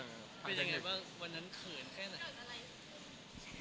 เป็นอย่างไงวันนั้นเขินแค่ไหน